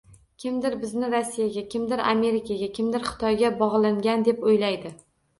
Kimdir bizni Rossiyaga, kimdir Amerikaga, kimdir Xitoyga bog'langan deb o'ylaydi